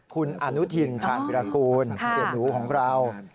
คุณอนุทินชาญวิรากูลเสียหนูของเรา